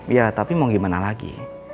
ya tapi mau gimana lagi